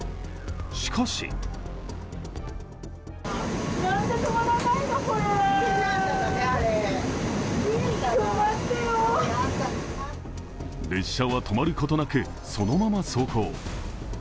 しかし列車は止まることなく、そのまま走行。